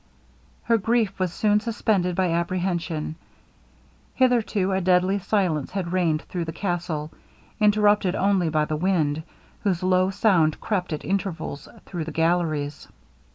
Her grief was soon suspended by apprehension. Hitherto a deadly silence had reigned through the castle, interrupted only by the wind, whose low sound crept at intervals through the galleries.